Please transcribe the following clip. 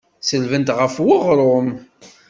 Selbent ɣef uɣrum.